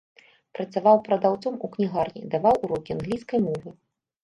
Працаваў прадаўцом у кнігарні, даваў урокі англійскай мовы.